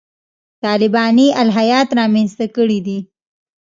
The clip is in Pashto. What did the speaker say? طالباني الهیات رامنځته کړي دي.